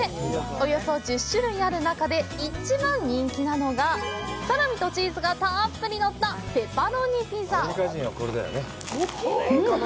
およそ１０種類ある中で一番人気なのがサラミとチーズがたっぷりのった「ペパロニピザ」。